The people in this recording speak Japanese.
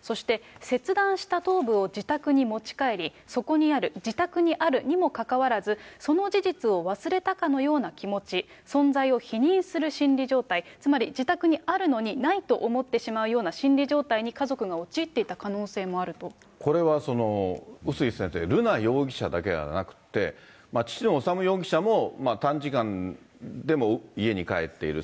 そして切断した頭部を自宅に持ち帰り、そこにある、自宅にあるにもかかわらず、その事実を忘れたかのような気持ち、存在を否認する心理状態、つまり自宅にあるのに、ないと思ってしまうような心理状態に家族が陥っていた可能性もあこれは碓井先生、瑠奈容疑者だけじゃなくて、父の修容疑者も短時間でも家に帰っている。